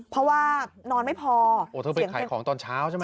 เพราะว่านอนไม่พอโอ้เธอไปขายของตอนเช้าใช่ไหม